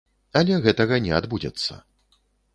Але гэтага не адбудзецца.